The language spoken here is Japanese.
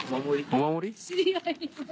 お守り？